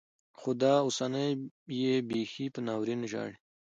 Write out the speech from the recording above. خو دا اوسنۍيې بيخي په ناورين ژاړي.